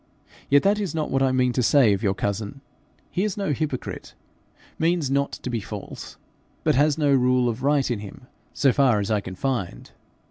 Yet that is not what I mean to say of your cousin: he is no hypocrite means not to be false, but has no rule of right in him so far as I can find.